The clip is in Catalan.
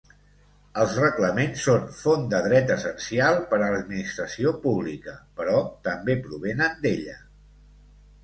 Els reglaments són font de dret essencial per a l'administració pública, però també provenen d'ella.